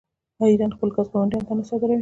آیا ایران خپل ګاز ګاونډیانو ته نه صادروي؟